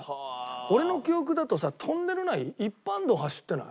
俺の記憶だとさトンネル内一般道走ってない？